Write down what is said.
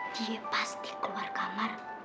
dia pasti keluar kamar